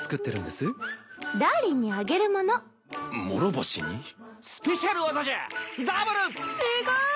すごい。